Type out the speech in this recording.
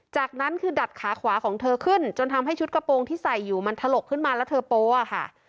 จากนั้นคือดัดขาขวาของเธอขึ้นจนทำให้ชุดกระโปรงที่ใส่อยู่มันถลกขึ้นมาแล้วเธอโป๊อะค่ะ